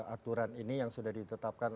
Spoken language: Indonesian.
aturan ini yang sudah ditetapkan